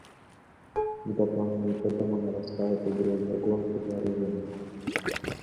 В дополнение к этому нарастает угроза гонки вооружений.